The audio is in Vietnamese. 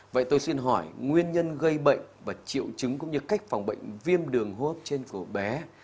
vậy tôi xin hỏi nguyên nhân gây bệnh và triệu chứng cũng như cách phòng bệnh viêm đường hô hấp trên phổ bé